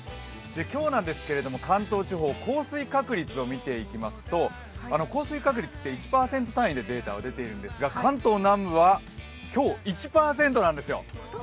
今日なんですけれども、関東地方の降水確率を見ていきますと降水確率って１％単位でデータが出ているんですが、関東南部は今日１％なんですよ。